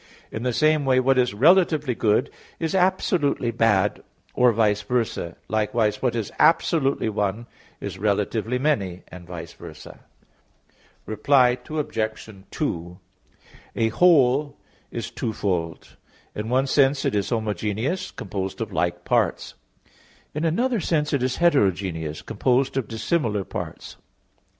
In the same way, what is relatively good is absolutely bad, or vice versa; likewise what is absolutely one is relatively many, and vice versa. Reply Obj. 2: A whole is twofold. In one sense it is homogeneous, composed of like parts; in another sense it is heterogeneous, composed of dissimilar parts.